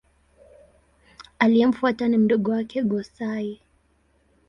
Aliyemfuata ni mdogo wake Go-Sai.